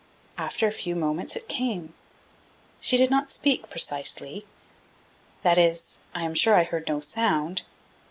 After a few moments it came. She did not speak, precisely. That is, I am sure I heard no sound.